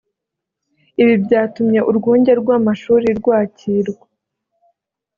Ibi byatumye Urwunge rw’amashuri rwa Kirwa